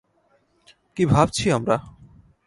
কী ভাবছি আমরা?